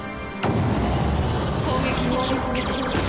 攻撃に気をつけて。